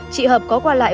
trị hợp có qua lại